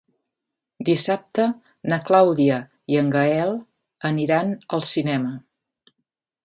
Dissabte na Clàudia i en Gaël aniran al cinema.